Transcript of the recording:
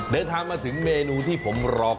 เดี๋ยวถามมาถึงเมนูที่ผมหลอก